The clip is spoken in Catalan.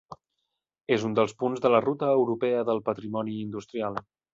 És un dels punts de la Ruta Europea del Patrimoni Industrial.